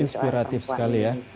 inspiratif sekali ya